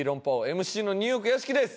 ＭＣのニューヨーク屋敷です。